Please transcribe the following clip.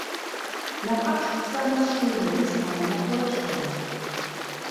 Nach Abschluss seines Studiums kam er nach Deutschland.